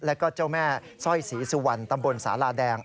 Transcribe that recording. และเจ้าแม่สร้อยสีสุวรรค์ตำบลสาลาแดง